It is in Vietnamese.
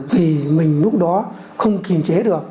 thì mình lúc đó không kiềm chế được